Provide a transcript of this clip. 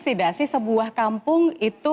tidak sih sebuah kampung itu